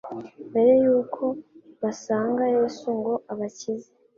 Mbere yuko basanga Yesu ngo abakize,